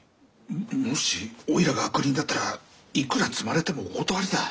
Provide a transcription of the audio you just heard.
もしおいらが悪人だったらいくら積まれてもお断りだあ。